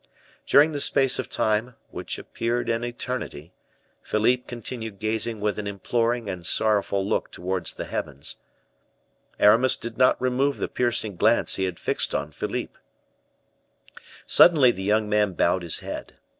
During this space of time, which appeared an eternity, Philippe continued gazing with an imploring and sorrowful look towards the heavens; Aramis did not remove the piercing glance he had fixed on Philippe. Suddenly the young man bowed his head.